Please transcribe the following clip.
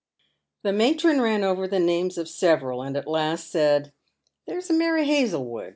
The matron ran over the names of several, and at last said :" There'jB Mary Hazlewood